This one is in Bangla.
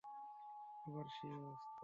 আবার সেই অবস্থা!